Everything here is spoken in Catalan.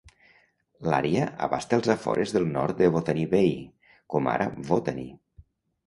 L'àrea abasta els afores del nord de Botany Bay, com ara Botany.